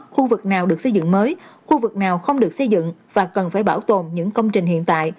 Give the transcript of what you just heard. khu vực nào được xây dựng mới khu vực nào không được xây dựng và cần phải bảo tồn những công trình hiện tại